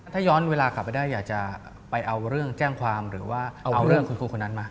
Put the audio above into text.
ถ้าย้อนเวลากลับไปได้อยากจะไปเอาเรื่องแจ้งความหรือว่าเอาเรื่องคุณครูคนนั้นมา